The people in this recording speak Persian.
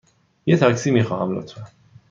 یه تاکسی می خواهم، لطفاً.